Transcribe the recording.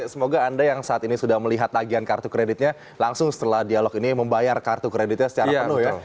semoga anda yang saat ini sudah melihat tagihan kartu kreditnya langsung setelah dialog ini membayar kartu kreditnya secara penuh